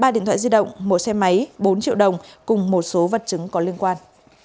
ba điện thoại di động một xe máy bốn triệu đồng cùng một số vật chứng có liên quan